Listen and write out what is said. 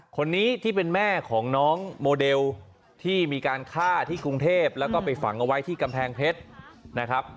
คนนี้ที่เป็นแม่ของน้องโมเดลที่มีการฆ่าที่กรุงเทพแล้วก็ไปฝังเอาไว้ที่กำแพงเพชรนะครับ